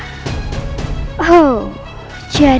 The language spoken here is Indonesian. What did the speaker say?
dia buta tapi masih berani